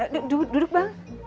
duduk duduk bang